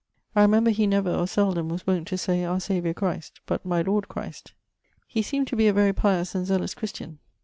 I remember he never, or seldome, was wont to say Our Saviour Christ, but My Lord Christ. He seemed to be a very pious and zealous Christian.